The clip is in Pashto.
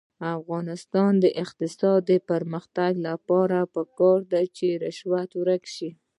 د افغانستان د اقتصادي پرمختګ لپاره پکار ده چې رشوت ورک شي.